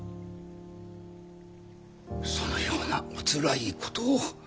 そのようなおつらいことを。